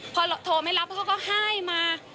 พอโทรไม่รับเขาก็ให้มา